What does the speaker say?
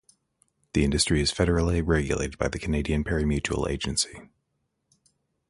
This industry is federally regulated by the Canadian Pari-Mutuel Agency.